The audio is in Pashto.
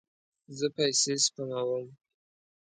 زه پیسې سپموم